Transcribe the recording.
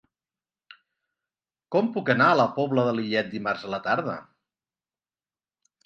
Com puc anar a la Pobla de Lillet dimarts a la tarda?